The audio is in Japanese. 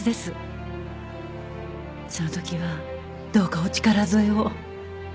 そのときはどうかお力添えを